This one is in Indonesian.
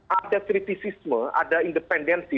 ada kritisisme ada independensi